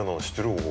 ここ。